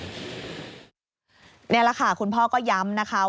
นี่แหละค่ะคุณพ่อก็ย้ำนะคะ